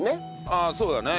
ああそうだね。